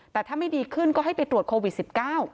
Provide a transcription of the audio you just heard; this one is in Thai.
แต่ถ้าไม่ดีขึ้นก็ให้ไปตรวจโควิดสิบเก้า